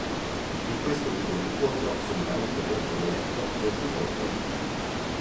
In questo tipo di incontro, solitamente molto violento, non ci sono squalifiche.